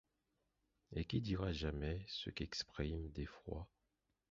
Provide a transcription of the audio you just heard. Et qui dira jamais ce qu’expriment d’effroi